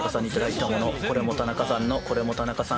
これも田中さんのこれも田中さん